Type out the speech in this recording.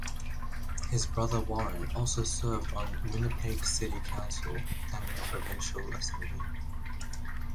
His brother Warren also served on Winnipeg city council and in the provincial assembly.